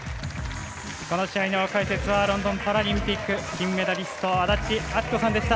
この試合の解説はロンドンパラリンピック金メダリスト安達阿記子さんでした。